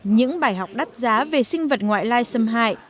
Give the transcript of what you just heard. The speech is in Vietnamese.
những bài học đắt giá về sinh vật ngoại lai xâm hại